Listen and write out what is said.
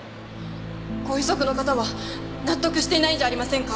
ご遺族の方は納得していないんじゃありませんか？